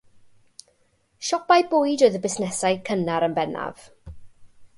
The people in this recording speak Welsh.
Siopau bwyd oedd y busnesau cynnar yn bennaf.